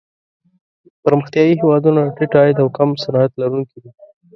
پرمختیايي هېوادونه د ټیټ عاید او کم صنعت لرونکي دي.